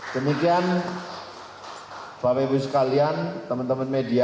demikian bapak ibu sekalian teman teman media